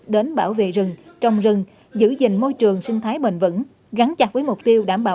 đến bảo vệ rừng trồng rừng giữ gìn môi trường sinh thái bền vững gắn chặt với mục tiêu đảm bảo